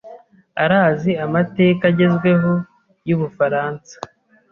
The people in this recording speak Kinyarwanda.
Arazi amateka agezweho y'Ubufaransa.